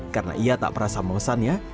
karena ia tak merasa memesannya